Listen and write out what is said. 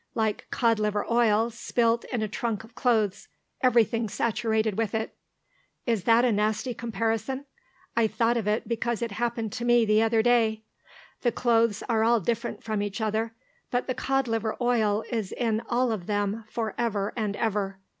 Like cod liver oil spilt in a trunk of clothes; everything's saturated with it. (Is that a nasty comparison? I thought of it because it happened to me the other day.) The clothes are all different from each other, but the cod liver oil is in all of them for ever and ever.